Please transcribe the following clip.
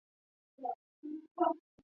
中华巨咽吸虫为同盘科巨咽属的动物。